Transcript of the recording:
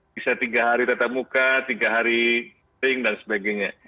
bisa tiga hari tetap muka tiga hari ring dan sebagainya